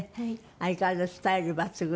相変わらずスタイル抜群。